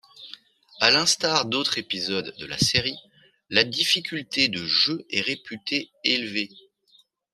À l'instar d'autres épisodes de la série, la difficulté de jeu est réputée élevée.